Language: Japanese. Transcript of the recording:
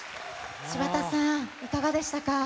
柴田さん、いかがでしたか？